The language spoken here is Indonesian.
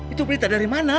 itu berita dari mana